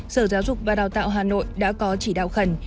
sở giáo dục và đào tạo hà nội đã có chỉ đạo khẩn